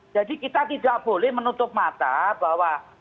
jadi kita tidak boleh menutup mata bahwa